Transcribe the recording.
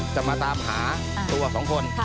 จะมาตามหาตัวสองคน